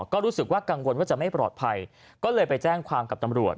ก็รู้สึกว่ากังวลว่าจะไม่ปลอดภัยก็เลยไปแจ้งความกับตำรวจ